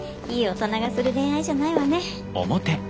いい大人がする恋愛じゃないわね。